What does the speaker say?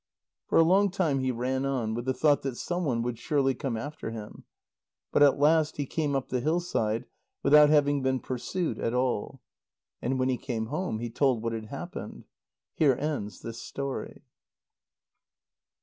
For a long time he ran on, with the thought that some one would surely come after him. But at last he came up the hillside, without having been pursued at all. And when he came home, he told what had happened. Here ends this story.